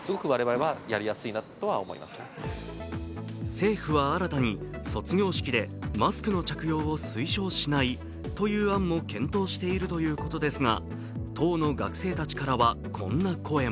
政府は新たに卒業式でマスクの着用を推奨しないという案も検討しているということですが当の学生たちからは、こんな声も。